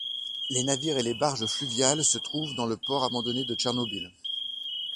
Les navires et les barges fluviales se trouvent dans le port abandonné de Tchernobyl.